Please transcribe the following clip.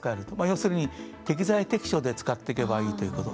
要するに適材適所で使っていけばいいということ。